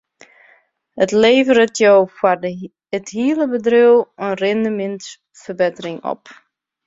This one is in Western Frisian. It leveret jo foar it hiele bedriuw in rindemintsferbettering op.